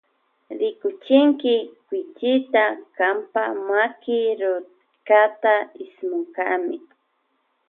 Rikuchinki kuychita kampa maki rukata ismunkami.